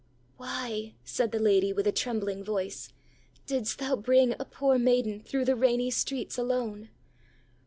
ãWhy,ã said the lady, with a trembling voice, ãdidst thou bring a poor maiden through the rainy streets alone?